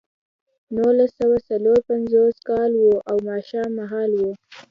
نولس سوه څلور پنځوس کال و او ماښام مهال و